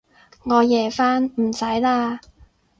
我夜返，唔使喇